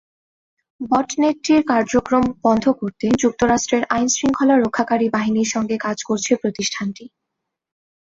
বটনেটটির কার্যক্রম বন্ধ করতে যুক্তরাষ্ট্রের আইন-শৃঙ্খলা রক্ষাকারী বাহিনীর সঙ্গে কাজ করছে প্রতিষ্ঠানটি।